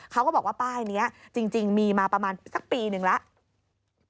เขาก็บอกว่าป้ายนี้จริงมีมาประมาณสักปีหนึ่งแล้ว